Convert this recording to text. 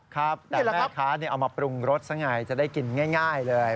ครับแม่ขาเอามาปรุงรสสังหายจะได้กินง่ายเลย